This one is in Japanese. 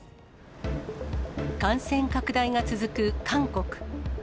感染拡大が続く韓国。